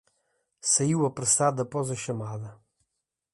Saiu apressado após a chamada